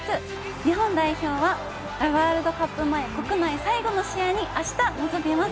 日本代表はワールドカップ前国内最後の試合にあした臨みます。